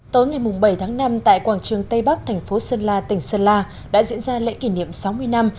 tối ngày bảy tháng năm tại quảng trường tây bắc thành phố sơn la tỉnh sơn la đã diễn ra lễ kỷ niệm sáu mươi năm